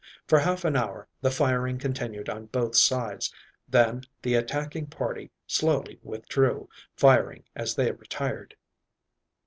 For half an hour the firing continued on both sides, then the attacking party slowly withdrew, firing as they retired.